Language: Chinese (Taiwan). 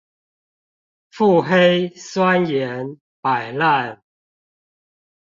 腹黑、酸言、擺爛